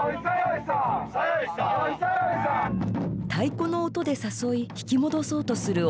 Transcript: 太鼓の音で誘い引き戻そうとする鬼たち。